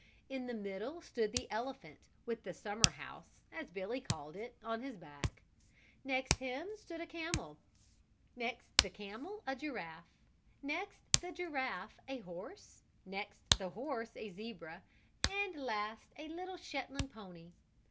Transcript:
In the middle stood the elephant, with the summer house, as Billy called it, on his back; next him stood a camel; next the camel a giraffe; next the giraffe a horse; next the horse, a zebra, and last a little Shetland pony.